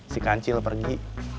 si kancil pergi